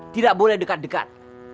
tidak boleh dekat dekat